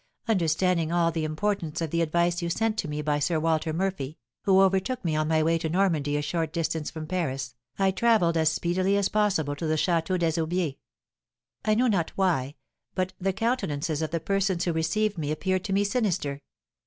Understanding all the importance of the advice you sent to me by Sir Walter Murphy, who overtook me on my way to Normandy a short distance from Paris, I travelled as speedily as possible to the Château des Aubiers. I know not why, but the countenances of the persons who received me appeared to me sinister.